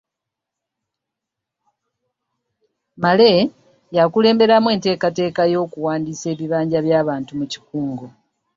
Male yakulemberamu enteekateeka y’okuwandiisa ebibanja by’abantu mu kikungo